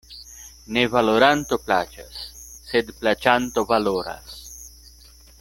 Ne valoranto plaĉas, sed plaĉanto valoras.